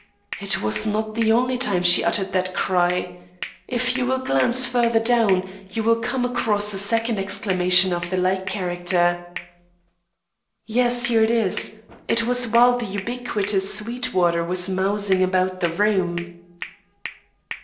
It was not the only time she uttered that cry. If you will glance further down, you will come across a second exclamation of the like character." "Yes; here it is. It was while the ubiquitous Sweetwater was mousing about the room."